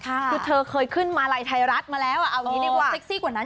คือเธอเคยขึ้นมาลัยไทยรัฐมาแล้วเอาอย่างนี้ดีกว่าเซ็กซี่กว่านั้น